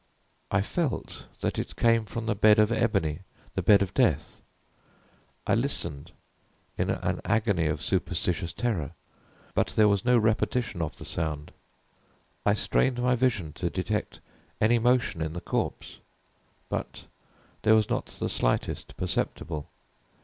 I felt that it came from the bed of ebony the bed of death. I listened in an agony of superstitious terror but there was no repetition of the sound. I strained my vision to detect any motion in the corpse but there was not the slightest perceptible.